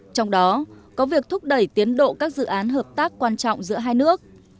trong đó có việc thúc đẩy tiến độ các dự án hợp tác quan trọng giữa hai nước